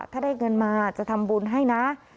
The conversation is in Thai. ถ้าได้เงินมาจะทำบุญให้นะ